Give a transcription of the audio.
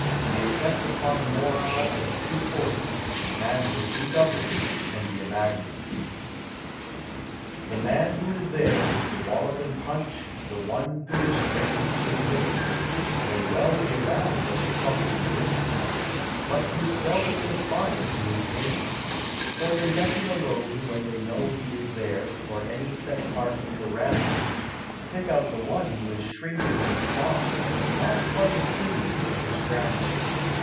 The effect upon the morale of the two forces, and the two governments, can be imagined. The man who is there with the wallop and punch The one who is trained to the minute, May well be around when the trouble begins, But you seldom will find he is in it; For they let him alone when they know he is there For any set part in the ramble, To pick out the one who is shrinking and soft And not quite attuned to the scramble.